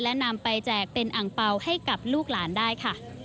และนำไปแจกเป็นอังเปล่าให้กับลูกหลานได้ค่ะ